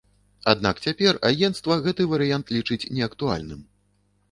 Аднак цяпер агенцтва гэты варыянт лічыць неактуальным.